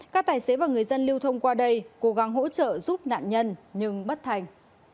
các tài xế và người dân lưu thông qua đây cố gắng hỗ trợ giúp nạn nhân nhưng bất thành